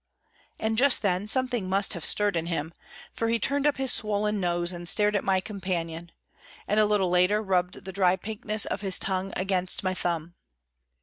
And just then something must have stirred in him, for he turned up his swollen nose and stared at my companion, and a little later rubbed the dry pinkness of his tongue against my thumb.